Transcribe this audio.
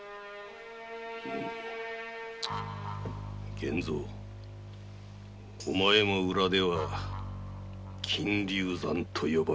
源蔵お前も裏では「金竜山」と呼ばれる元締め。